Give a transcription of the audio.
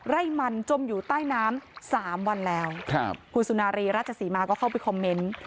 ไร่มันจมอยู่ใต้น้ำสามวันแล้วครับคุณสุนารีราชศรีมาก็เข้าไปคอมเมนต์